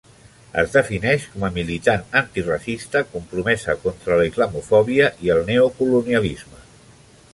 Es defineix com a militant antiracista compromesa contra la islamofòbia i el neocolonialisme.